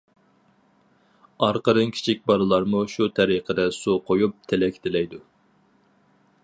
ئارقىدىن كىچىك بالىلارمۇ شۇ تەرىقىدە سۇ قويۇپ تىلەك تىلەيدۇ.